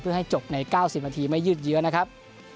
เพื่อให้จบใน๙๐นาทีไม่ยืดเยอะนะครับ